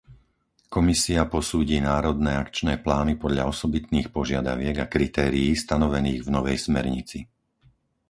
Komisia posúdi národné akčné plány podľa osobitných požiadaviek a kritérií stanovených v novej smernici.